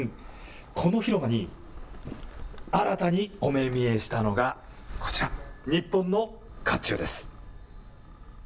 この広間に新たにお目見えしたのがこちら、日本のかっちゅうです。